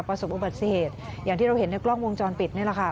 ประสบอุบัติเหตุอย่างที่เราเห็นในกล้องวงจรปิดนี่แหละค่ะ